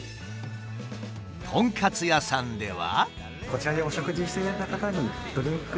とんかつ屋さんでは。